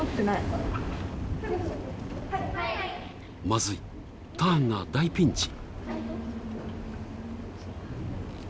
まずい、ターンが大ピンチ。